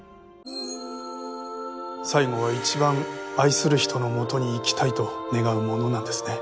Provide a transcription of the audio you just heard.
最後は一番愛する人のもとに行きたいと願うものなんですね。